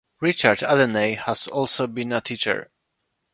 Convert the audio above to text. Richard Adeney has also been a teacher.